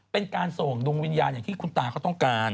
เป็นการส่งดวงวิญญาณอย่างที่คุณตาเขาต้องการ